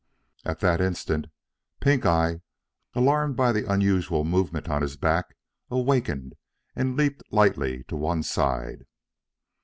At that instant, Pink eye, alarmed by the unusual movement on his back, awakened and leaped lightly to one side.